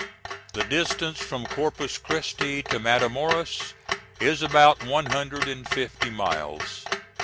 The distance from Corpus Christi to Matamoras is about one hundred and fifty miles.